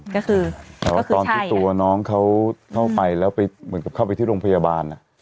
ก็คือตอนที่ตัวน้องเขาเข้าไปแล้วไปเหมือนกับเข้าไปที่โรงพยาบาล